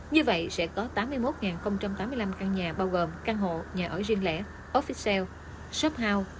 như vậy sẽ có tám mươi một tám mươi năm căn nhà bao gồm căn hộ nhà ở riêng lẻ offixel shop house